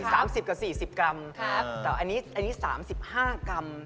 ใช่๓๐กับ๔๐กรัมแต่อันนี้๓๕กรัม